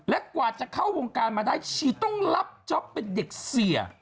และกว่าจะเข้าวงการมาได้ชีต้องรับจ๊อปเป็นเด็กเสีย